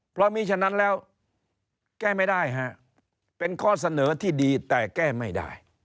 เพราะมีฉะนั้นแล้วแก้ไม่ได้ฮะเป็นข้อเสนอที่ดีแต่แก้ไม่ได้